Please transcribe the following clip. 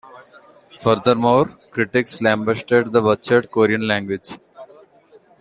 Furthermore, critics lambasted the "butchered Korean language".